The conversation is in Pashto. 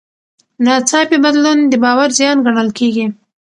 ناڅاپي بدلون د باور زیان ګڼل کېږي.